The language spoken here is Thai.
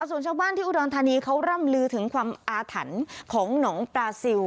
ส่วนชาวบ้านที่อุดรธานีเขาร่ำลือถึงความอาถรรพ์ของหนองปลาซิล